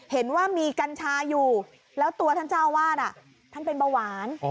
เห็นว่ามีกัญชาอยู่แล้วตัวท่านเจ้าวาดท่านเป็นเบาหวาน